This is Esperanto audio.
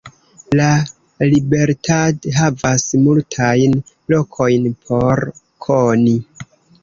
La Libertad havas multajn lokojn por koni.